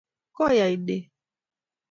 koi ainet